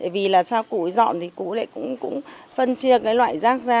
vì là sao cụ dọn thì cụ lại cũng phân chia cái loại rác ra